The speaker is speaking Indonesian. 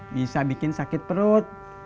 bisa bikin sakit perut